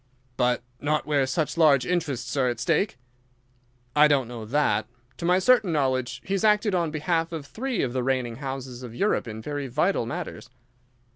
"But not where such large interests are at stake?" "I don't know that. To my certain knowledge he has acted on behalf of three of the reigning houses of Europe in very vital matters."